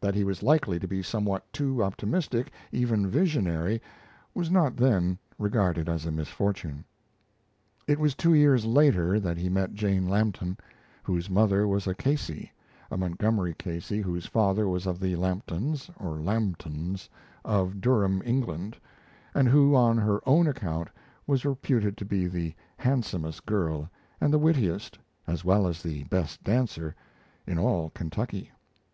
That he was likely to be somewhat too optimistic, even visionary, was not then regarded as a misfortune. It was two years later that he met Jane Lampton; whose mother was a Casey a Montgomery Casey whose father was of the Lamptons (Lambtons) of Durham, England, and who on her own account was reputed to be the handsomest girl and the wittiest, as well as the best dancer, in all Kentucky.